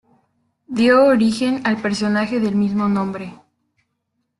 Dio origen al personaje del mismo nombre.